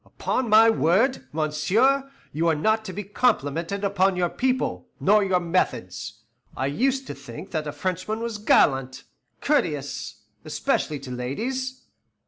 Upon my word, monsieur, you are not to be complimented upon your people, nor your methods. I used to think that a Frenchman was gallant, courteous, especially to ladies."